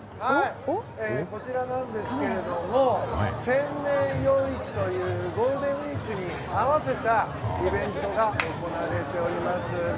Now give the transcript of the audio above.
こちらなんですが千年夜市というゴールデンウィークに合わせたイベントが行われております。